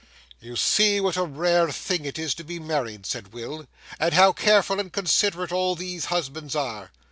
'You see what a rare thing it is to be married,' said Will, 'and how careful and considerate all these husbands are.